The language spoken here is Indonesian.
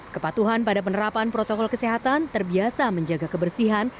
kepatuhan pada penerapan protokol kesehatan terbiasa menjaga kebersihan